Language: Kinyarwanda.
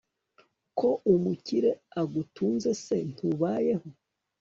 ko umukire agutunze se ntubayeho